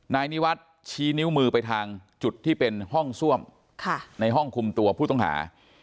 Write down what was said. นายนิวัฒน์ชี้นิ้วมือไปทางจุดที่เป็นห้องซ่วมในห้องคุมตัวผู้ต้องหา